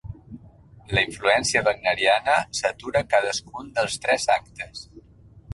La influència wagneriana satura cadascun dels tres actes.